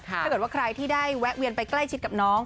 ถ้าเกิดว่าใครที่ได้แวะเวียนไปใกล้ชิดกับน้อง